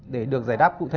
để được giải đáp cụ thể